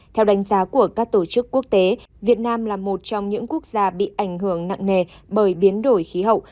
theo đánh giá của các tổ chức quốc tế việt nam là một trong những quốc gia bị ảnh hưởng nặng nề bởi biến đổi khí hậu